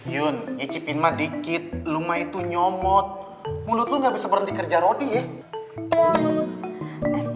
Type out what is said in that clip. yun icipin mah dikit luma itu nyomot mulut lu nggak bisa berhenti kerja rodi ya